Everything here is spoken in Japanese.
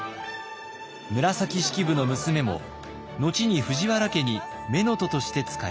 紫式部の娘も後に藤原家に乳母として仕えました。